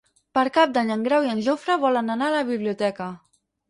Per Cap d'Any en Grau i en Jofre volen anar a la biblioteca.